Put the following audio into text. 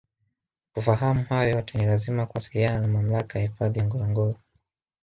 Kufahamu hayo yote ni lazima kuwasiliana na Mamlaka ya Hifadhi ya Ngorongoro